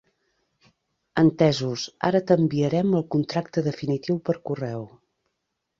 Entesos, ara t'enviarem el contracte definitiu per correu.